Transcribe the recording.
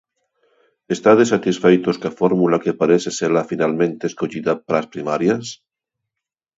Estades satisfeitos coa fórmula que parece ser a finalmente escollida para as primarias?